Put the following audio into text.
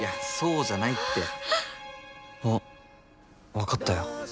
分かったよ。